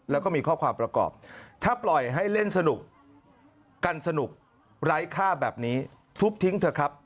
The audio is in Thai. แล้วก็มีข้อความประกอบถ้าปล่อยให้เล่นสนุกกันสนุกไร้ค่าแบบนี้ทุบทิ้งเถอะครับ